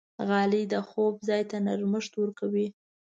غالۍ د خوب ځای ته نرمښت ورکوي.